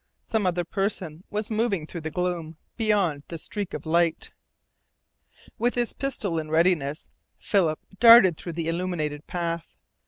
Some other person was moving through the gloom beyond the streak of light. With his pistol in readiness, Philip darted through the illuminated path.